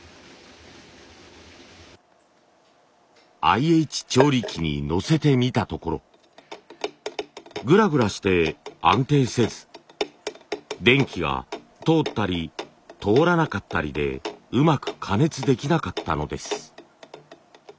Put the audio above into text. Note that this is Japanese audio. ＩＨ調理器にのせてみたところグラグラして安定せず電気が通ったり通らなかったりでうまく加熱できなかったのです。